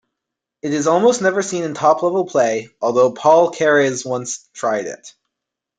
It is almost never seen in top-level play, although Paul Keres once tried it.